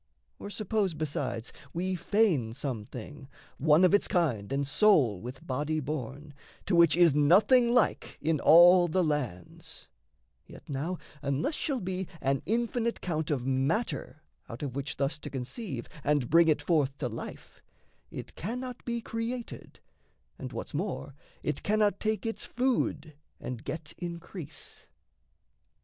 Or suppose, besides, We feign some thing, one of its kind and sole With body born, to which is nothing like In all the lands: yet now unless shall be An infinite count of matter out of which Thus to conceive and bring it forth to life, It cannot be created and what's more It cannot take its food and get increase.